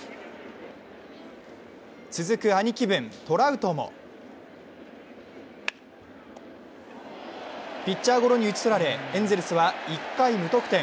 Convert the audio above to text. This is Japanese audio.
続く兄貴分・トラウトもピッチャーゴロに打ち取られ、エンゼルスは１回、無得点。